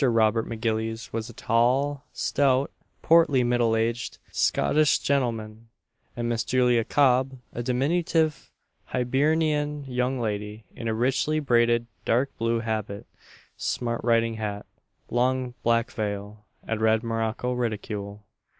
Robert M'Gillies was a tall, stout, portly, middle aged, Scottish gentleman; and Miss Julia Cob, a diminutive Hibernian young lady, in a richly braided dark blue habit, smart riding hat, long black veil, and red morocco ridicule.